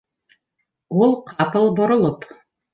Ул, ҡапыл боролоп: